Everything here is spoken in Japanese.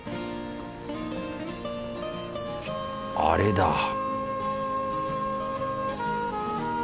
あれだ